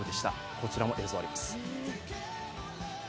こちらも映像があります。